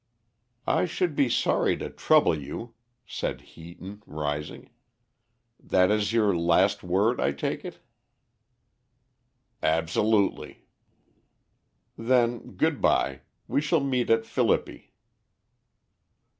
"I should be sorry to trouble you," said Heaton, rising. "That is your last word, I take it?" "Absolutely." "Then good bye. We shall meet at Philippi."